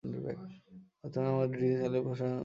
বর্তমানে ভারতের Disney channel এর সম্প্রচার করছে।